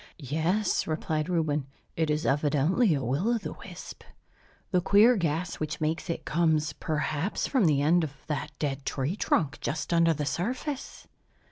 "Yes," replied Reuben, "it is evidently a will o' the wisp. The queer gas, which makes it, comes perhaps from the end of that dead tree trunk, just under the surface."